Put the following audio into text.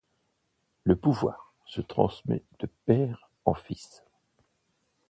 Le pouvoir se transmet de père en fils.